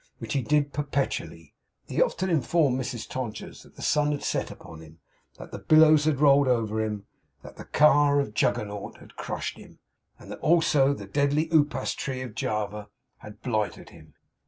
Which he did perpetually. He often informed Mrs Todgers that the sun had set upon him; that the billows had rolled over him; that the car of Juggernaut had crushed him, and also that the deadly Upas tree of Java had blighted him.